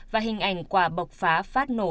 và hình ảnh quả bọc phá phát nổ